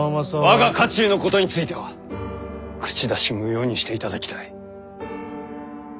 我が家中のことについては口出し無用にしていただきたい。